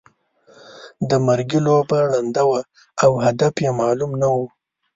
د مرګي لوبه ړنده وه او هدف یې معلوم نه وو.